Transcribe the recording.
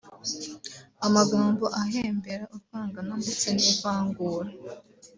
amagambo ahembera urwangano ndetse n’ivangura